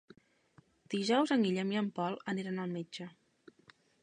Dijous en Guillem i en Pol aniran al metge.